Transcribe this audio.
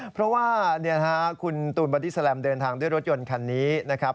เพราะว่าคุณตูนบอดี้แลมเดินทางด้วยรถยนต์คันนี้นะครับ